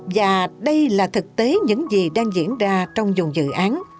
và đây là thực tế những gì đang diễn ra trong dùng dự án